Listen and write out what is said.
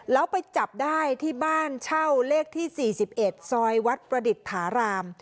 แล้วไปจับได้ที่บ้านเช่าเลขที่๔๑ซอยวัดประดิษฐาราม